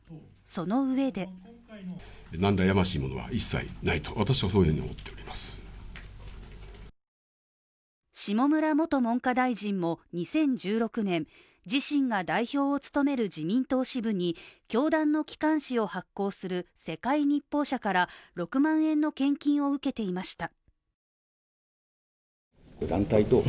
そのうえで下村元文科大臣も２０１６年、自身が代表を務める自民党支部に教団の機関誌を発行する世界日報社から６万円の献金を受けていました。